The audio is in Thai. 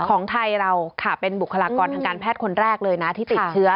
ของไทยเราค่ะเป็นบุคลากรทางการแพทย์คนแรกเลยนะที่ติดเชื้อ